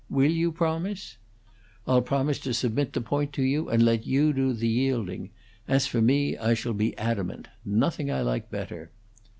Will you promise?" "I'll promise to submit the point to you, and let you do the yielding. As for me, I shall be adamant. Nothing I like better."